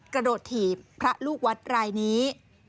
กระโดดถีบพระลูกวัดรายนี้